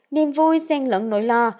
niềm vui sen lẫn nỗi lo